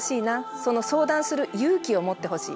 その相談する勇気を持ってほしい。